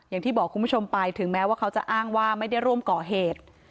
อย่างที่บอกคุณผู้ชมไปถึงแม้ว่าเขาจะอ้างว่าไม่ได้ร่วมก่อเหตุ